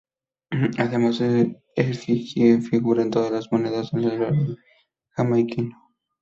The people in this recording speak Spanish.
Además, su efigie figura en todas las monedas de un dólar jamaiquino.